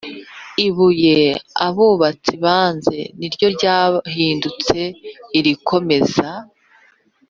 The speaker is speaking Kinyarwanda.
Ibuye abubatsi banze ni ryo ryahindutse irikomeza